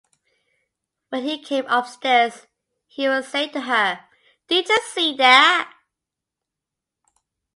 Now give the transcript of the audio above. When he came upstairs, he would say to her, Did you see that?